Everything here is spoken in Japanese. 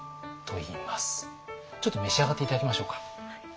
ちょっと召し上がって頂きましょうか。